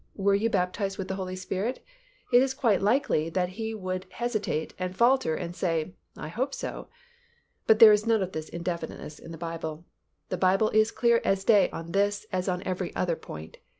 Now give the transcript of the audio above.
Were you baptized with the Holy Spirit?" it is quite likely that he would hesitate and falter and say, "I hope so"; but there is none of this indefiniteness in the Bible. The Bible is clear as day on this, as on every other point.